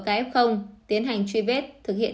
kf tiến hành truy vết thực hiện